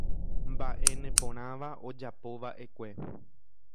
Mba'e neporãva ojapova'ekue.